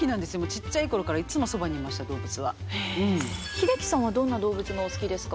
英樹さんはどんな動物がお好きですか？